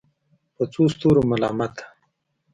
په څو ستورو ملامته